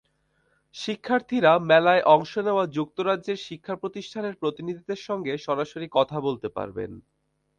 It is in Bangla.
শিক্ষার্থীরা মেলায় অংশ নেওয়া যুক্তরাজ্যের শিক্ষাপ্রতিষ্ঠানের প্রতিনিধিদের সঙ্গে সরাসরি কথা বলতে পারবেন।